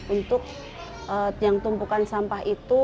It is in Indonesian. untuk yang tumpukan sampah itu